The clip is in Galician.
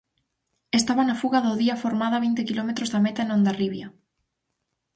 Estaba na fuga do día formada a vinte quilómetros da meta en Hondarribia.